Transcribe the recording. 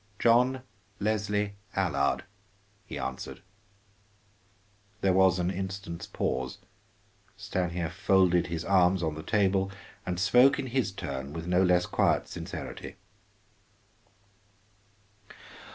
"John Leslie Allard," he answered. There was an instant's pause. Stanief folded his arms on the table and spoke in his turn with no less quiet sincerity.